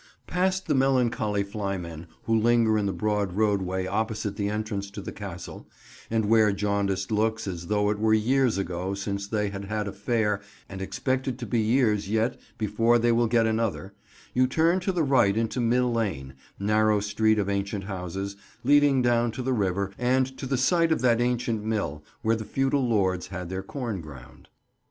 Past the melancholy flymen who linger in the broad roadway opposite the entrance to the Castle, and wear jaundiced looks as though it were years ago since they had had a fare and expect it to be years yet before they will get another, you turn to the right into Mill Lane, narrow street of ancient houses, leading down to the river and to the site of that ancient mill where the feudal lords had their corn ground.